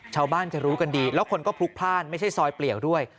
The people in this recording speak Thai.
ชาวบ้านจะรู้กันดีแล้วคนก็พลุกพลาดไม่ใช่ซอยเปลี่ยวด้วย